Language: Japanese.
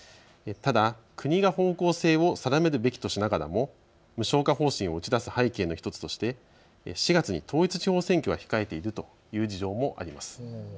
ただ国が方向性を定めるべきとしながらも無償化方針を打ち出す背景の１つとして４月に統一地方選挙が控えているという事情もあります。